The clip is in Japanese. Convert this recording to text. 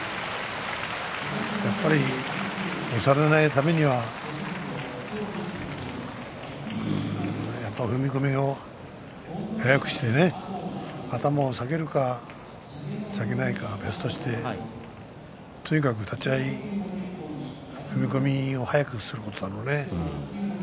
やっぱり押されないためには踏み込みを速くしてね頭を下げるか下げないかは別にしてとにかく立ち合い踏み込みを速くすることだろうね。